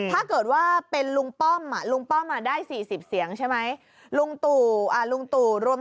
ถ้าเกิดว่าเป็นลุงป้อมลุงป้อมได้๔๐เสียงใช่ไหม